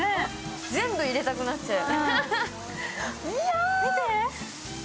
全部入れたくなっちゃう。